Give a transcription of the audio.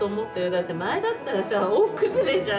だって前だったらさ大崩れじゃん。